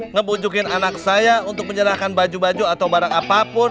ngebujukin anak saya untuk menyerahkan baju baju atau barang apapun